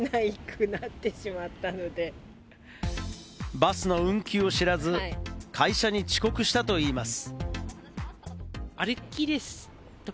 バスの運休を知らず、会社に遅刻したといいます。